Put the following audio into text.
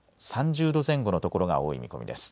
３０度前後の所が多い見込みです。